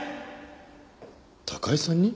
高井さんに？